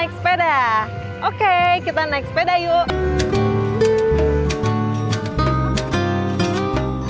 naik sepeda oke kita naik sepeda yuk